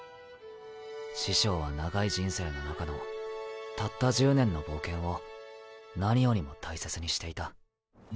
師匠は長い人生の中のたった１０年の冒険を何よりも大切にしていた。